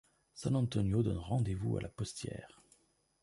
San-Antonio donne rendez-vous à la postière.